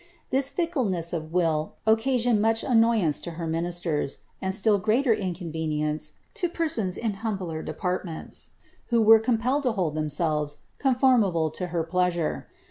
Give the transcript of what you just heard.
This fickleness of will occasioonl much annoyance lo her ministers, and slill greater inconvenience to per sons in humbler deparimenis, who were compelled to hold thcmselre! conformable lo her pleasure.